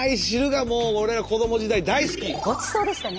ごちそうでしたね。